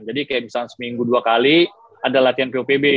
jadi kayak misalnya seminggu dua kali ada latihan popb